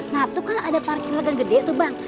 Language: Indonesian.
nah itu kan ada parkir leger gede tuh bang